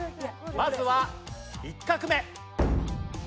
まずは１画目。